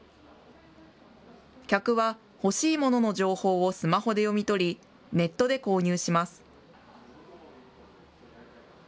客は欲しいものの情報をスマホで読み取り、ネットで購入します。